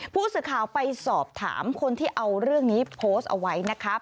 ผู้สื่อข่าวไปสอบถามคนที่เอาเรื่องนี้โพสต์เอาไว้นะครับ